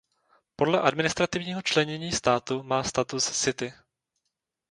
Podle administrativního členění státu má status city.